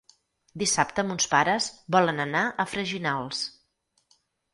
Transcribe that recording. Dissabte mons pares volen anar a Freginals.